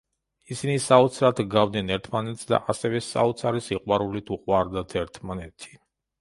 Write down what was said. ისინი საოცრად ჰგავდნენ ერთმანეთს და ასევე საოცარი სიყვარულით უყვარდათ ერთმანეთი.